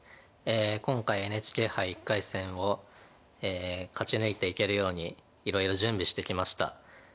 今回ＮＨＫ杯１回戦を勝ち抜いていけるようにいろいろ準備してきました。